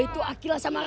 itu ke meja gue